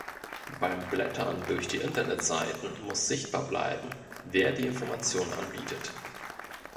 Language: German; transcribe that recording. Beim Blättern durch die Internetseiten muss sichtbar bleiben, wer die Information anbietet.